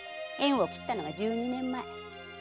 縁を切ったのが十二年前。